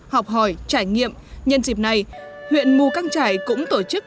học hỏi trải nghiệm nhân dịp này huyện mù căng trải cũng tổ chức